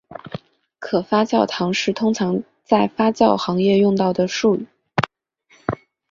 可发酵糖是通常在发酵行业用到的术语。